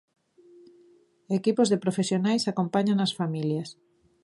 Equipos de profesionais acompañan as familias.